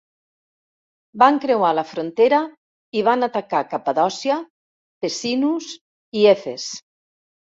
Van creuar la frontera i van atacar Capadòcia, Pessinus i Efes.